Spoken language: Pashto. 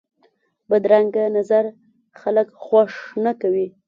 بدرنګه نظر خلک خوښ نه کوي